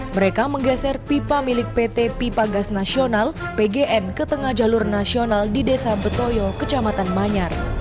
mereka menggeser pipa milik pt pipa gas nasional pgn ke tengah jalur nasional di desa betoyo kecamatan manyar